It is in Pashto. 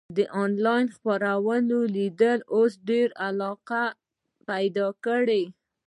د انلاین خپرونو لیدل اوس ډېره علاقه پیدا کړې.